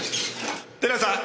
寺さん！